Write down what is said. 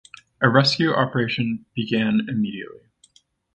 A rescue operation began immediately.